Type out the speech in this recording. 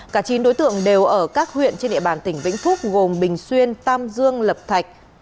cả chín đối tượng đều ở các huyện trên địa bàn tỉnh vĩnh phúc gồm bình xuyên tam dương lập thạch